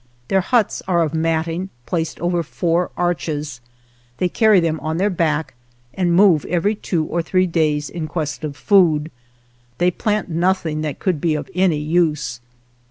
Their huts are of matting placed over four arches. They carry them on their back and move every two or three days in quest of food; they plant nothing that would be of any use.